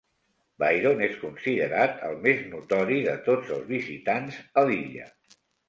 Byron és considerat el més notori de tots els visitants a l'illa.